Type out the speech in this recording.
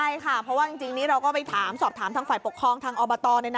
ใช่ค่ะเพราะว่าจริงนี้เราก็ไปถามสอบถามทางฝ่ายปกครองทางอบตเลยนะ